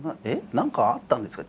何かあったんですか？